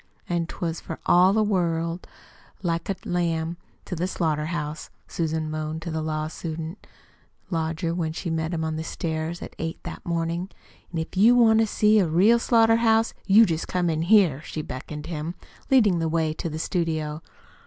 "An' 'twas for all the world like a lamb to the slaughter house," Susan moaned to the law student lodger when she met him on the stairs at eight o'clock that morning. "An' if you want to see a real slaughter house, you jest come in here," she beckoned him, leading the way to the studio.